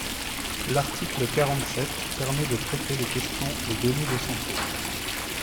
L’article quarante-sept permet de traiter les questions de données de santé.